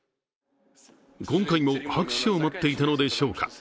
今回も拍手を待っていたのでしょうか。